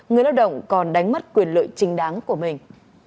người lao động còn đánh mất quyền lợi chính đáng của mình